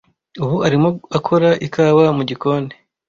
Ubu arimo akora ikawa mu gikoni.